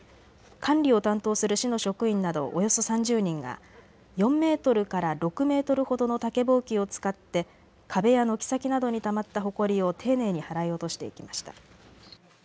管理を担当する市の職員などおよそ３０人が４メートルから６メートルほどの竹ぼうきを使って壁や軒先などにたまったほこりを丁寧に払い落としていきました。